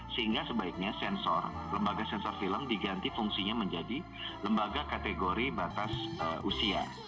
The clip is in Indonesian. sehingga sebaiknya sensor lembaga sensor film diganti fungsinya menjadi lembaga kategori batas usia